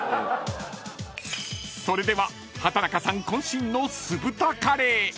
［それでは畠中さん渾身の酢豚カレー］